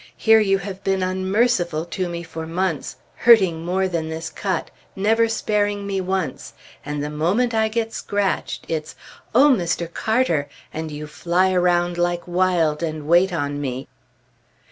Here you have been unmerciful to me for months, hurting more than this cut, never sparing me once, and the moment I get scratched, it's 'O Mr. Carter!' and you fly around like wild and wait on me!"